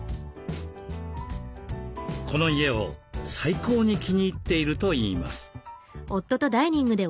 この家を最高に気に入っているといいます。